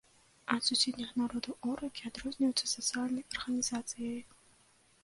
Ад суседніх народаў оракі адрозніваюцца сацыяльнай арганізацыяй.